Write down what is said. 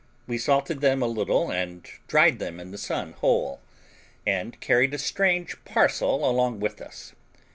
We salted them a little and dried them in the sun whole, and carried a strange parcel along with us.